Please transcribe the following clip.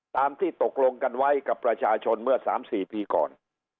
ตามที่ตกลงกันไว้กับประชาชนเมื่อ๓๔ปีก่อน